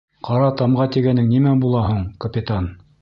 — Ҡара тамға тигәнең нимә була һуң, капитан?